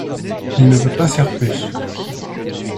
Il ne peut pas faire plus.